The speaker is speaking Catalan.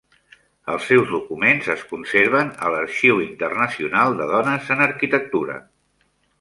Els seus documents es conserven a l'Arxiu Internacional de Dones en Arquitectura.